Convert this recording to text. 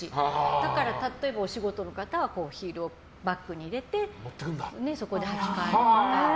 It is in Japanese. だから例えばお仕事の方はヒールをバッグに入れてそこで履き替えるとか。